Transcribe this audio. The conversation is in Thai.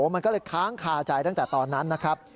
มันก็เลยค้างคาใจตั้งแต่ตอนนั้นนะครับ